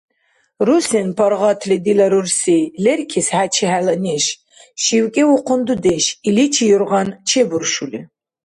– Русен паргъатли, дила рурси, леркис хӀечи хӀела неш, – шивкӀивухъун дудеш, иличи юргъан чебуршули.